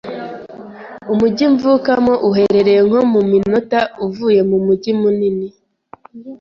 Umujyi mvukamo uherereye nko mu minota uvuye mumujyi munini.